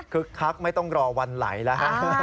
คือครับไม่ต้องรอวันไหลนะฮะ